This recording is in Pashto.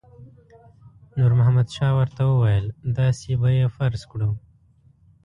نور محمد شاه ورته وویل داسې به یې فرض کړو.